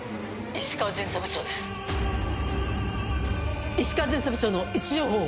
石川巡査部長の位置情報を！